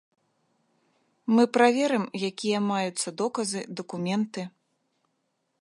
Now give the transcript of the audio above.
Мы праверым, якія маюцца доказы, дакументы.